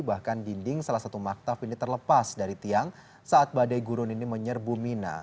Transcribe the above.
bahkan dinding salah satu maktab ini terlepas dari tiang saat badai gurun ini menyerbu mina